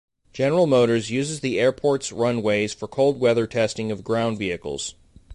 General Motors uses the airport's runways for cold-weather testing of ground vehicles.